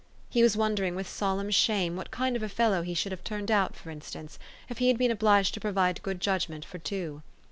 He was wondering with solemn shame what kind of a fellow he should have turned out, for instance, if he had been obliged to provide good judgment for two.